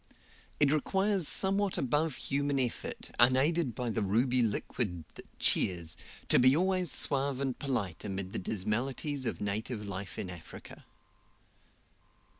It requires somewhat above human effort, unaided by the ruby liquid that cheers, to be always suave and polite amid the dismalities of native life in Africa.